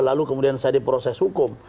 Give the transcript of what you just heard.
lalu kemudian saya diproses hukum